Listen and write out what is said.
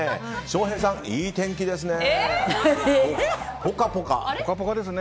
翔平さん、いい天気ですね。